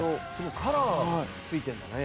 カラーついてるんだね。